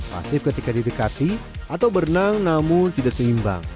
pasif ketika didekati atau berenang namun tidak seimbang